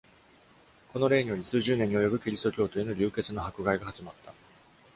この令により、数十年に及ぶキリスト教徒への流血の迫害が始まった。